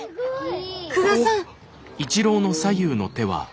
久我さん。